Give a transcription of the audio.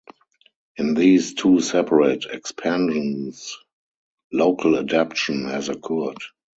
In these two separate expansions local adaptation has occurred.